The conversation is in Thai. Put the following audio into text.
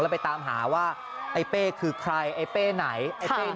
แล้วไปตามหาว่าไอ้เป้คือใครไอ้เป้ไหน